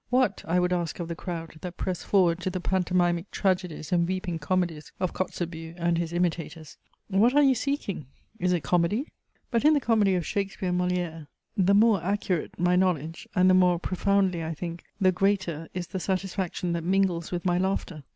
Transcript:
What, (I would ask of the crowd, that press forward to the pantomimic tragedies and weeping comedies of Kotzebue and his imitators), what are you seeking? Is it comedy? But in the comedy of Shakespeare and Moliere the more accurate my knowledge, and the more profoundly I think, the greater is the satisfaction that mingles with my laughter.